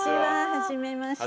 はじめまして。